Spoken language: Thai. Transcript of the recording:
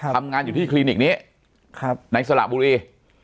ทำงานอยู่ที่คลินิกนี้ในสระบุรี